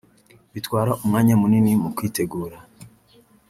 bitwara umwanya munini mu kuyitegura